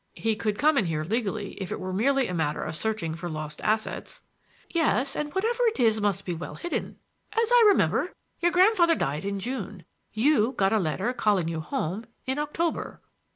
He could come in here legally if it were merely a matter of searching for lost assets." "Yes; and whatever it is it must be well hidden. As I remember, your grandfather died in June. You got a letter calling you home in October."